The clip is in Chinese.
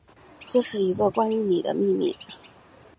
这是一个关于妳的秘密